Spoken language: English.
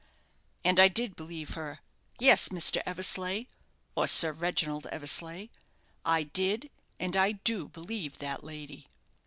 And I did believe her. Yes, Mr. Eversleigh or Sir Reginald Eversleigh I did, and I do, believe that lady."